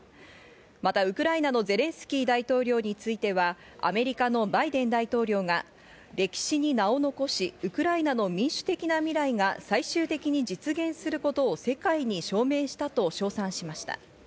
またウクライナのゼレンスキー大統領については、アメリカのバイデン大統領が歴史に名を残し、ウクライナの民主的な未来が最終的に実現することを世界に証明したと称賛しました。